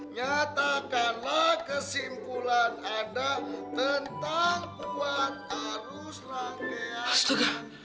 nyatakanlah kesimpulan anda tentang kuat arus rangkaian yang bercabang